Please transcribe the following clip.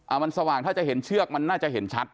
มันสว่างถ้าจะเห็นเชือกมันน่าจะเห็นชัด